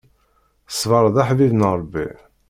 Ṣṣbeṛ d aḥbib n Ṛebbi.